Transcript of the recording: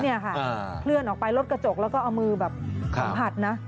นี่ค่ะเคลื่อนออกไปรถกระจกแล้วก็เอามือแบบสัมผัสนะ